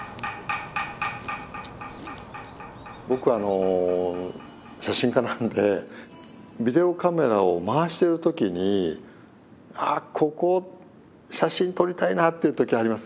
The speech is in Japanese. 僕写真家なんでビデオカメラを回してる時にあここ写真撮りたいなっていう時あります。